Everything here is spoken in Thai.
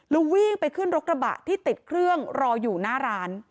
แล้ววิ่งไปขึ้นรถกระบะที่ติดเครื่องรออยู่หน้าร้าน